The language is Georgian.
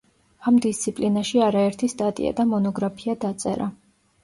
ამ დისციპლინაში არაერთი სტატია და მონოგრაფია დაწერა.